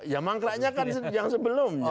ya mangkraknya kan yang sebelumnya